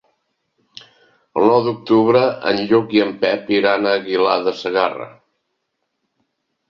El nou d'octubre en Lluc i en Pep iran a Aguilar de Segarra.